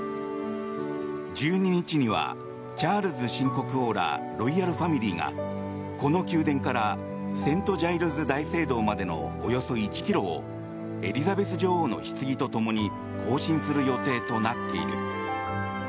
１２日にはチャールズ新国王らロイヤルファミリーがこの宮殿からセント・ジャイルズ大聖堂までのおよそ１ｋｍをエリザベス女王のひつぎとともに行進する予定となっている。